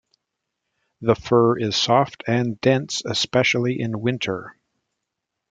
The fur is soft and dense, especially in winter.